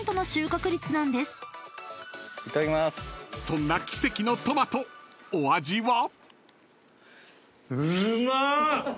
［そんな奇跡のトマトお味は？］